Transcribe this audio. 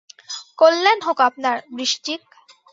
কল্যাণ হোক আপনার, বৃশ্চিক।